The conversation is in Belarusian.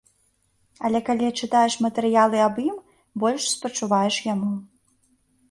Але калі чытаеш матэрыялы аб ім, больш спачуваеш яму.